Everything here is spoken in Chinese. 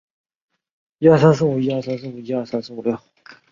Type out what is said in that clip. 巴里讷后帕涅人口变化图示